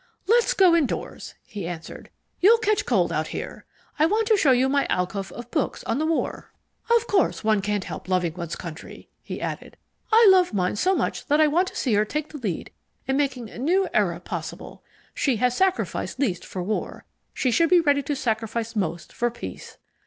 "Let's go indoors," he answered. "You'll catch cold out here. I want to show you my alcove of books on the war." "Of course one can't help loving one's country," he added. "I love mine so much that I want to see her take the lead in making a new era possible. She has sacrificed least for war, she should be ready to sacrifice most for peace.